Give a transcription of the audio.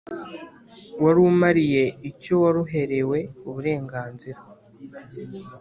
warumariye icyo waruherewe uburenganzira,